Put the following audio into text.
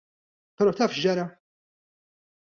Però taf x'ġara?